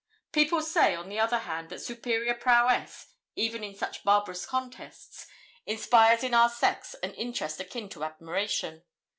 People say, on the other hand, that superior prowess, even in such barbarous contests, inspires in our sex an interest akin to admiration.